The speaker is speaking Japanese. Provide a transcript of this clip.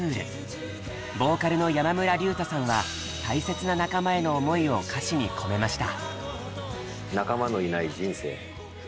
ボーカルの山村隆太さんは大切な仲間への思いを歌詞に込めました。